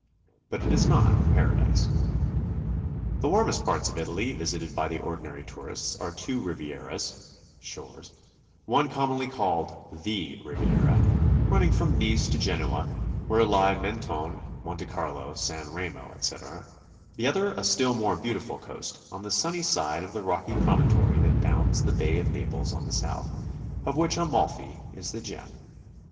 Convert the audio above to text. But it is not Paradise. The warmest parts of Italy visited by the ordinary tour ist are two Rivieras (shores), one commonly called the Riviera, running from Nice to Genoa, where lie Mentone, Monte Carlo, San Remo, etc,; the other a still more beautiful coast, on the sunny side of the rocky promontory that bounds the Bay of Naples on the South, of which Amalfi is the gem.